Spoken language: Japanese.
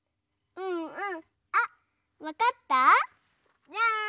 うんうん！